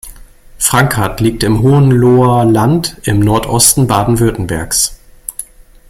Frankenhardt liegt im Hohenloher Land im Nordosten Baden-Württembergs.